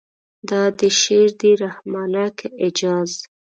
دا دې شعر دی رحمانه که اعجاز.